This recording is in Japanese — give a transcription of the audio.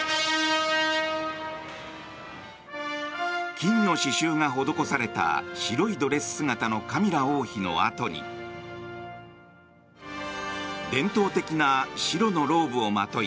金の刺しゅうが施された白いドレス姿のカミラ王妃のあとに伝統的な白のローブをまとい